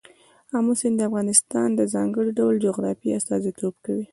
آمو سیند د افغانستان د ځانګړي ډول جغرافیه استازیتوب کوي.